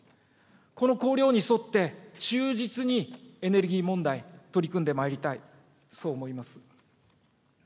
この綱領に沿って、忠実にエネルギー問題、取り組んでまいりたい、そう思います。